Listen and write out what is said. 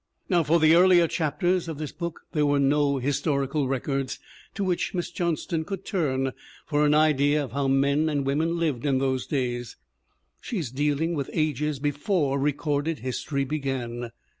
Now for the earlier chapters of this book there were no historical records to which Miss Johnston could turn for an idea of how men and women lived in those days; she is dealing with ages before recorded history began.